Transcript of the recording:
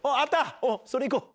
それいこう。